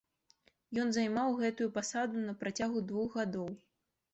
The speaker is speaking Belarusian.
Ён займаў гэтую пасаду на працягу двух гадоў.